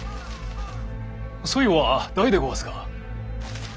そいは誰でごわすか？